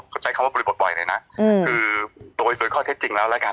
เขาใช้คำว่าบริบทบ่อยเลยนะคือโตยข้อเท็จจริงแล้วแล้วกัน